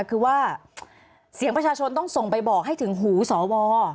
คือว่าเสียงประชาชนต้องส่งไปบอกให้ถึงหูสว